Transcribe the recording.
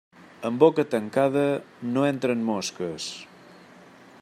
En boca tancada no entren mosques.